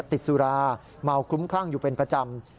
ติดสุราเมาคลุ้มคลั่งอยู่เป็นประจำ